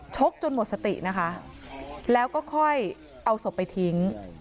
จนหมดสตินะคะแล้วก็ค่อยเอาศพไปทิ้ง